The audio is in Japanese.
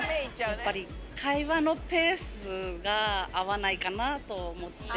やっぱり、会話のペースが合わないかなと思って。